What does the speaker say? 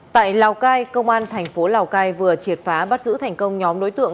tại lào cai công an tp lào cai vừa triệt phá bắt giữ thành công nhóm đối tượng